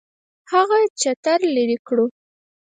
هغه چتر لري کړو.